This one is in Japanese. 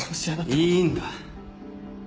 いいんだ。